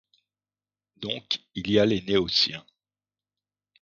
Donc il y a les Noétiens.